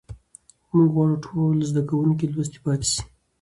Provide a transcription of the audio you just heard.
موږ غواړو ټول زده کوونکي لوستي پاتې سي.